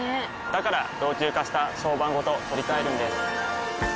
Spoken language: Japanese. から老朽化した床版ごと取り替えるんです。